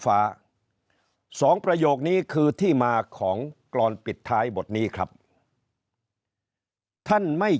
ฟ้าสองประโยคนี้คือที่มาของกรอนปิดท้ายบทนี้ครับท่านไม่